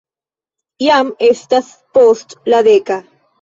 Jam estas post la deka.